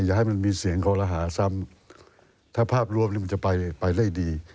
อย่าให้มันมีเสียงคอรหาซ้ำถ้าภาพรวมนี่มันจะไปไปได้ดี